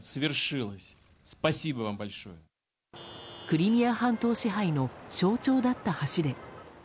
クリミア半島支配の象徴だった橋で。